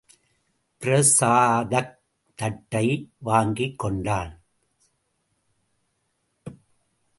பிரசாதத் தட்டை வாங்கிக் கொண்டாள்.